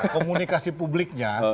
dan juga keadaan publiknya